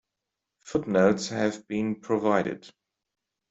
Footnotes have been provided.